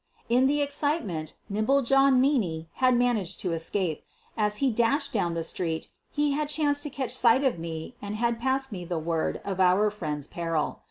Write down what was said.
In the excitement nimble John Meaney had man aged to escape. As he dashed down the street he had chanced to catch sight of me and had passed me the word of our friend's peril.